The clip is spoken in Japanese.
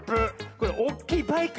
これおっきいバイクね。